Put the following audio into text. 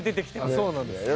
そうなんですね。